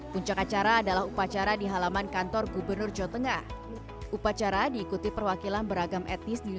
puncak acara adalah upacara dihalaman kantor gubernur jotengah upacara diikuti perwakilan beragam etnis di